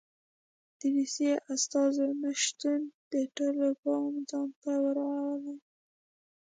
د روسیې استازو نه شتون د ټولو پام ځان ته ور اړولی و.